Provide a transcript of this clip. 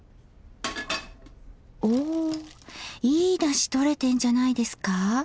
おいいだしとれてんじゃないですか。